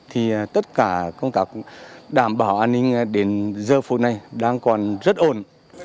thì tất cả công tác đảm bảo an ninh đến giờ phút này đang còn rất ổn